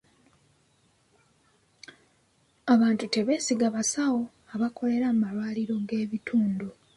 Abantu tebeesiga basawo abakolera mu malwaliro g'ebitundu.